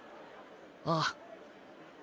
ああ。